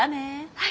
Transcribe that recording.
はい。